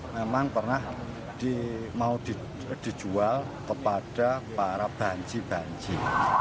memang pernah mau dijual kepada para banci banci